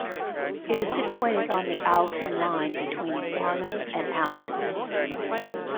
It is situated on the Alton Line, between Farnham and Alton.